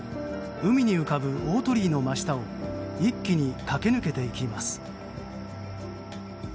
海に浮かぶ大鳥居の真下を一気に駆け抜けていきます。